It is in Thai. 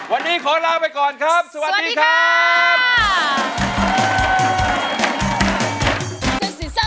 วันนี้ขอลาไปก่อนครับสวัสดีครับสวัสดีค่ะ